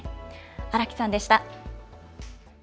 荒木さんでした。